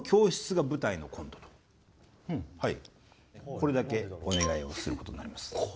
これだけお願いをすることになります。